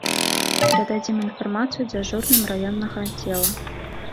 Перададзім інфармацыю дзяжурным раённага аддзела.